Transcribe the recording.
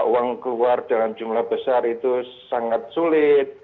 uang keluar dalam jumlah besar itu sangat sulit